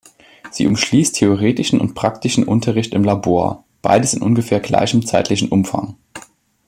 Sie umschließt theoretischen und praktischen Unterricht im Labor; beides in ungefähr gleichem zeitlichen Umfang.